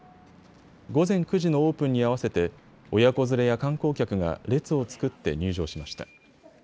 午前９時のオープンに合わせて親子連れや観光客が列を作って入場しました。